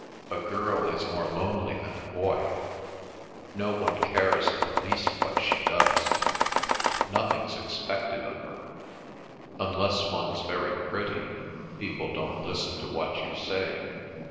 "A girl is more lonely than a boy. No one cares in the least what she does. Nothing's expected of her. Unless one's very pretty people don't listen to what you say.